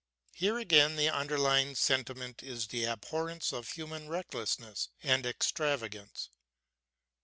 Here again, the underlying sentiment is the abhorrence of human recklessness and extravagance.